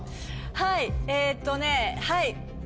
はいえっとねはい。